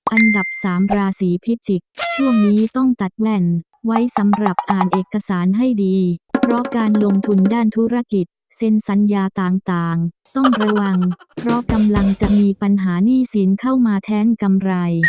อันดับสามราศีพิจิกษ์ช่วงนี้ต้องตัดแหล่นไว้สำหรับอ่านเอกสารให้ดีเพราะการลงทุนด้านธุรกิจเซ็นสัญญาต่างต้องระวังเพราะกำลังจะมีปัญหาหนี้สินเข้ามาแทนกำไร